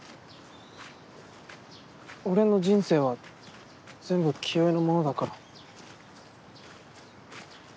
俺の人生は全部清居のものだから。